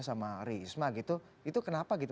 sama risma gitu itu kenapa gitu